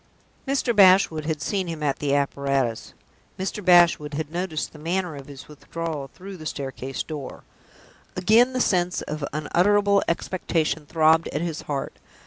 Mr. Bashwood had seen him at the apparatus; Mr. Bashwood had noticed the manner of his withdrawal through the staircase door. Again the sense of an unutterable expectation throbbed at his heart.